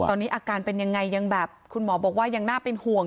ตอนนี้อาการเป็นยังไงยังแบบคุณหมอบอกว่ายังน่าเป็นห่วง